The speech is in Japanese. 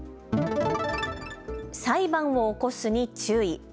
裁判を起こすに注意。